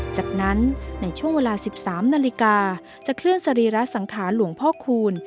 จากนั้นในช่วงเวลา๑๓นาฬิกาจะเคลื่อนสรีระสังขารหลวงพ่อคูณ